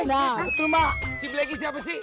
iya nah betul mak si blacky siapa sih